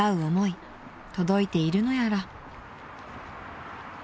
［届いているのやら］